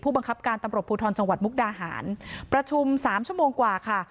บังคับการตำรวจภูทรจังหวัดมุกดาหารประชุมสามชั่วโมงกว่าค่ะ